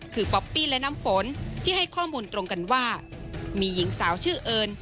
คือป๊อปปี้และน้ำฝนที่ให้ข้อมูลตรงกันว่ามีหญิงสาวชื่อเอิญ